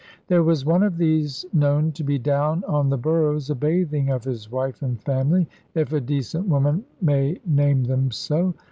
There was one of these known to be down on the burrows a bathing of his wife and family, if a decent woman may name them so.